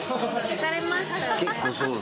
疲れましたね。